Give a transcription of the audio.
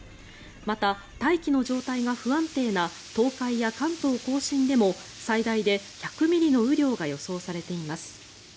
また、大気の状態が不安定な東海や関東・甲信でも最大で１００ミリの雨量が予想されています。